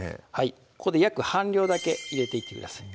ここで約半量だけ入れていってください